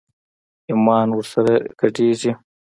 ايمان ور سره ګډېږي.